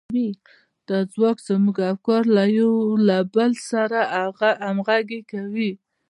دا ځواک زموږ افکار يو له بل سره همغږي کوي.